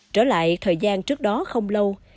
trở lại thời gian trước đó không lâu